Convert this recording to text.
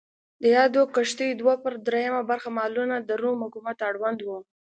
د یادو کښتیو دوه پر درېیمه برخه مالونه د روم حکومت اړوند و.